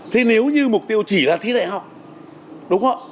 thế nếu như mục tiêu chỉ là thi đại học đúng không ạ